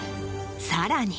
さらに。